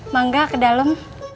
mangga ke dalam